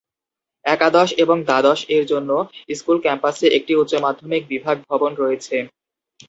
একাদশ এবং দ্বাদশ এর জন্য স্কুল ক্যাম্পাসে একটি উচ্চ মাধ্যমিক বিভাগ ভবন রয়েছে।